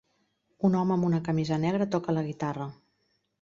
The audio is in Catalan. Un home amb una camisa negra toca la guitarra